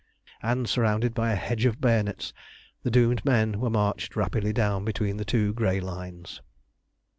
and, surrounded by a hedge of bayonets, the doomed men were marched rapidly down between the two grey lines.